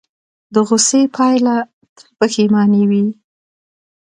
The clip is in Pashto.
د غوسې پایله تل پښیماني وي.